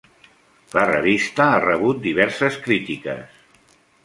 La revista ha rebut diverses crítiques.